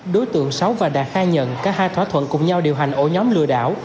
đối tượng sáu và đạt khai nhận cả hai thỏa thuận cùng nhau điều hành ổ nhóm lừa đảo